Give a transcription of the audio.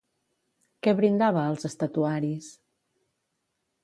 Què brindava als estatuaris?